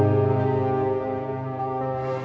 terima kasih komandan